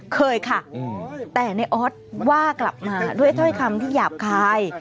เคยค่ะแต่ในออสว่ากลับมาด้วยถ้อยคำที่หยาบคาย